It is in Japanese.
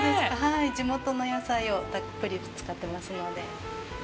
地元の野菜をたっぷり使ってますので。